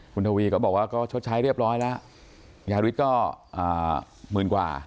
คุณทวีก็บอกว่าก็ชดใช้เรียบร้อยแล้วยาริสก็หมื่นกว่า